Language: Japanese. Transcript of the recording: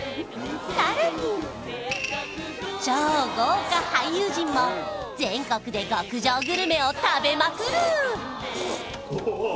さらに超豪華俳優陣も全国で極上グルメを食べまくる！